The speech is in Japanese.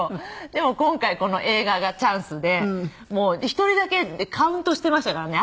でも今回この映画がチャンスでもう１人だけカウントしていましたからね